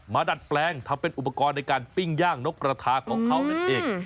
ดัดแปลงทำเป็นอุปกรณ์ในการปิ้งย่างนกกระทาของเขานั่นเอง